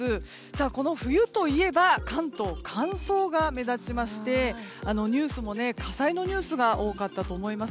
この冬といえば関東は乾燥が目立ちましてニュースも火災のニュースが多かったと思います。